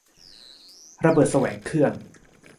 ระเบิดแสวงเครื่อง